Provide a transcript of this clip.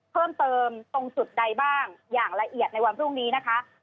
เพิ่มเติมตรงจุดใดบ้างอย่างละเอียดในวันพรุ่งนี้นะคะ